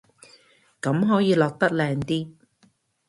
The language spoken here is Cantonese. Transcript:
咁可以落得靚啲